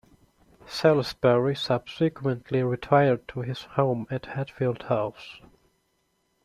Salisbury subsequently retired to his home at Hatfield House.